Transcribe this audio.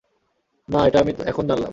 না, এটা আমি এখন জানলাম।